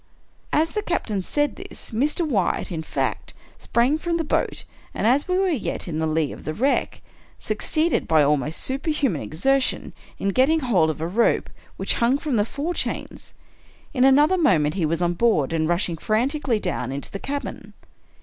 " As the captain said this, Mr. Wyatt, in fact, sprang from the boat, and, as we were yet in the lee of the wreck, suc ceeded, by almost superhuman exertion, in getting hold of a rope which hung from the fore chains. In another mo ment he was on board, and rushing frantically down into the cabin.